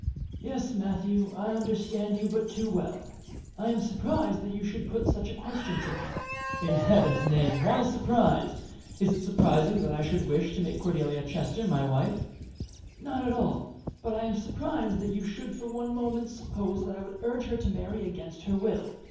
"Yes, Matthew, I understood you but too well. I am surprised that you should put such a question to me." "In Heaven's name! why surprised? Is it surprising that I should wish to make Cordelia Chester my wife?" "Not at all; but I am surprised that you should for one moment suppose that I would urge her to marry against her will.